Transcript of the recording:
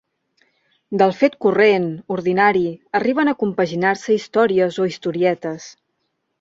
Del fet corrent, ordinari, arriben a compaginar-se històries o historietes.